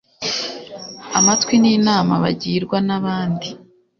amatwi n'inama bagirwa n'abandi